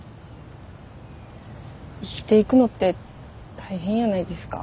生きていくのって大変やないですか。